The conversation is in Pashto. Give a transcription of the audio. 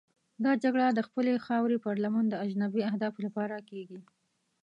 دا جګړه د خپلې خاورې پر لمن د اجنبي اهدافو لپاره کېږي.